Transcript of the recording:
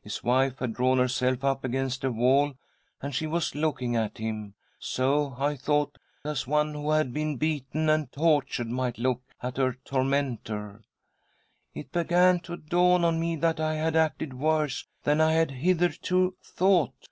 His wife had drawn herself up against a wall, and she was look ing at him , so I thought, as one who had been beaten and tortured might look at her tormentor. It began to dawn on me that I had acted worse than I had hitherto thought.